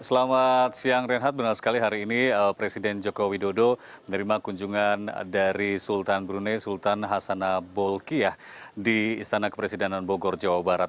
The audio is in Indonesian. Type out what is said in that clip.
selamat siang renhat benar sekali hari ini presiden joko widodo menerima kunjungan dari sultan brunei sultan hasan abul kiyah di istana kepresidenan bogor jawa barat